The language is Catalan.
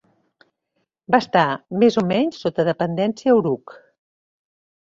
Va estar més a o menys sota dependència d'Uruk.